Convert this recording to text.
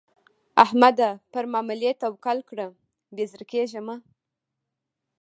احمده؛ پر ماملې توکل کړه؛ بې زړه کېږه مه.